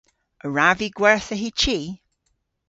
A wrav vy gwertha hy chi?